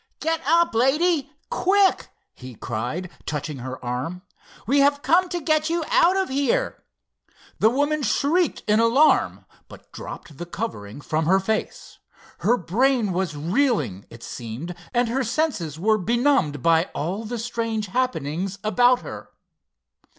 "Get up, lady, quick," he cried, touching her arm. "We have come to get you out of here." The woman shrieked in alarm, but dropped the covering from her face. Her brain was reeling, it seemed, and her senses were benumbed by all the strange happenings about her.